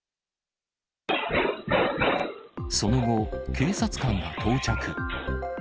その後、警察官が到着。